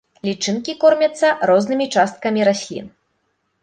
Лічынкі кормяцца рознымі часткамі раслін.